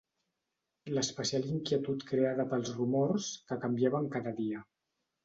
L'especial inquietud creada pels rumors que canviaven cada dia